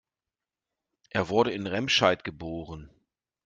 Er wurde in Remscheid geboren